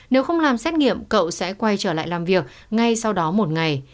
nếu không làm xét nghiệm cậu sẽ quay trở lại làm việc ngay sau đó một ngày